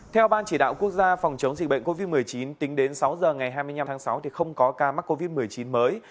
theo ban chỉ đạo quốc gia phòng chống dịch bệnh covid một mươi chín tính đến sáu giờ ngày hai mươi năm tháng sáu không có ca mắc covid một mươi chín mới